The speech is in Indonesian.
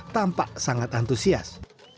tampak sangat antusias